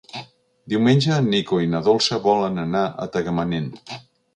Diumenge en Nico i na Dolça volen anar a Tagamanent.